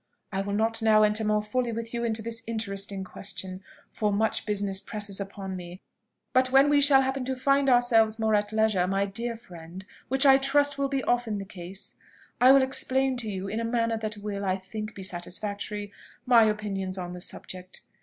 I will not now enter more fully with you into this interesting question, for much business presses upon me: but when we shall happen to find ourselves more at leisure, my dear friend, which I trust will be often the case, I will explain to you, in a manner that will, I think, be satisfactory, my opinions on the subject.